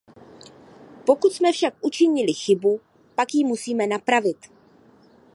Pokud jsme však učinili chybu, pak ji musíme napravit.